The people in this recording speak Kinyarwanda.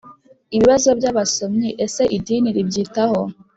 Ibibazo by abasomyi ese idini ribyitaho?